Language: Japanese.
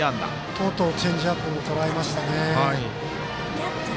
とうとうチェンジアップをとらえましたね。